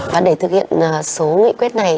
và để thực hiện số nghị quyết này